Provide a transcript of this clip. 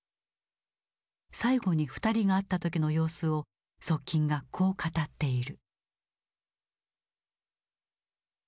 最後に２人が会った時の様子を側近がこう語っている。